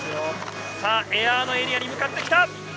エアのエリアに向かって来た。